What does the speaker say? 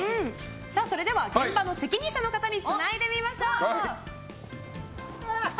それでは現場の責任者の方につないでみましょう。